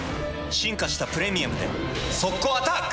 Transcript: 進化した「プレミアム」で速攻アタック！